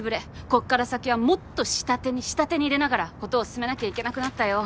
こっから先はもっと下手に下手に出ながら事を進めなきゃいけなくなったよ。